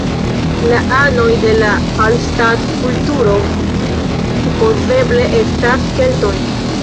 La anoj de la Hallstatt-kulturo supozeble estas keltoj.